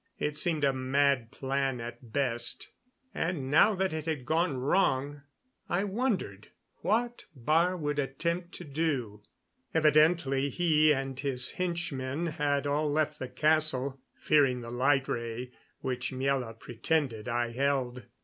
It seemed a mad plan at best; and now that it had gone wrong, I wondered what Baar would attempt to do. Evidently he and his henchmen had all left the castle, fearing the light ray, which Miela pretended I held.